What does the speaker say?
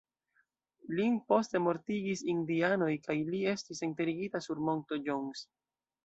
Lin poste mortigis indianoj, kaj li estis enterigita sur monto "Jones".